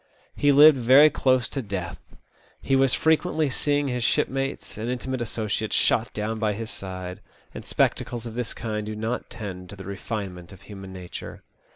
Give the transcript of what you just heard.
He lived very close to death. He was frequently seeing his shipmates and intimate associates shot down by his side, and spectacles of this kind do not tend to the refinement of human nature.